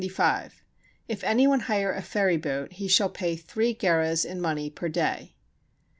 If any one hire a ferryboat, he shall pay three gerahs in money per day.